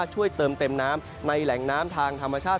ช่วยเติมเต็มน้ำในแหล่งน้ำทางธรรมชาติ